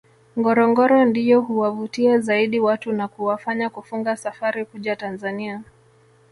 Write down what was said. Ngorongoro ndiyo huwavutia zaidi watu na kuwafanya kufunga safari kuja Tanzania